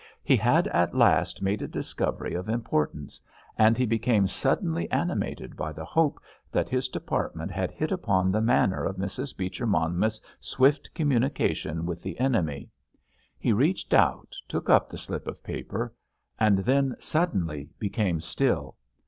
He had at last made a discovery of importance, and he became suddenly animated by the hope that his department had hit upon the manner of Mrs. Beecher Monmouth's swift communication with the enemy. He reached out, took up the slip of paper—and then suddenly became still.